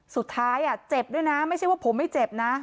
สุดท้ายเจ็บด้วยนะไม่ใช่ว่าผมไม่เจ็บนะ